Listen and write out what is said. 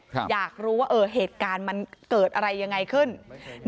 อยากรู้ว่าเออเหตุการณ์มันเกิดอะไรยังไงขึ้น